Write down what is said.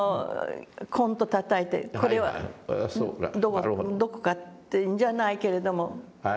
コンとたたいて「これはどこか」というんじゃないけれども。